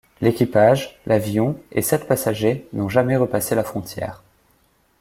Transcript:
L'équipage, l'avion, et sept passagers n'ont jamais repassé la frontière.